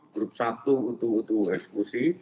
grup satu utuh utuh eksekusi